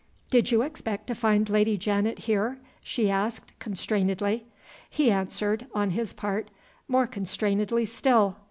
"Did you expect to find Lady Janet here?" she asked, constrainedly. He answered, on his part, more constrainedly still.